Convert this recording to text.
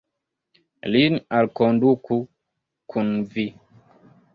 Lin alkonduku kun vi.